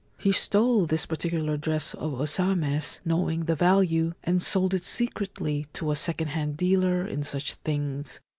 He stole this particular dress of O Same's, knowing the value, and sold it secretly to a second hand dealer in such things.